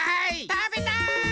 たべたい！